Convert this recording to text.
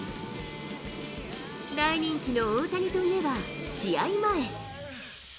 大人気の大谷といえば試合前。